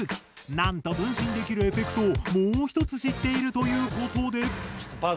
なんと分身できるエフェクトをもう一つ知っているということで。